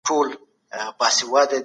په کور کي به د خوښۍ فضا جوړوئ.